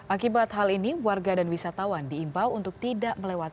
akibat hal ini warga dan wisatawan diimbau untuk tidak melewati